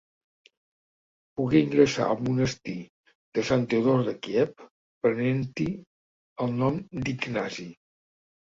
Pogué ingressar al monestir de Sant Teodor de Kíev, prenent-hi el nom d'Ignasi.